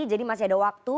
jadi masih ada waktu